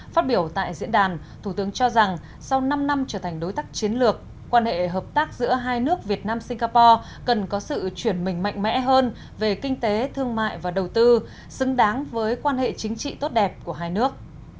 phát biểu tại diễn đàn thủ tướng cho rằng sau năm năm trở thành đối tác chiến lược quan hệ hợp tác giữa hai nước việt nam singapore cần có sự chuyển mình mạnh mẽ hơn về kinh tế thương mại và đầu tư xứng đáng với quan hệ chính trị tốt đẹp của hai nước